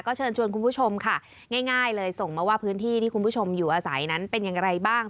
เชิญชวนคุณผู้ชมค่ะง่ายเลยส่งมาว่าพื้นที่ที่คุณผู้ชมอยู่อาศัยนั้นเป็นอย่างไรบ้าง